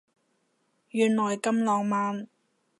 原來咁浪漫